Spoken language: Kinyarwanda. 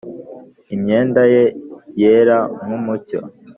imyenda ye yera nk’umucyo